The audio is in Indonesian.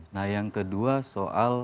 nah yang kedua soal